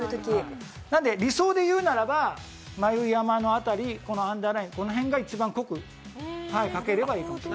理想で言うならば眉山の辺り、アンダーラインが一番濃く描ければいい。